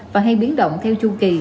và hay biến động theo chu kỳ